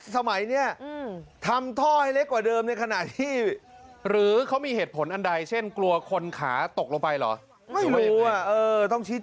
สมัยนี้ท่อให้เล็กกว่าดับนี้